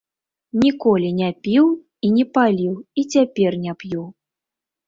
Ніколі не піў і не паліў, і цяпер не п'ю.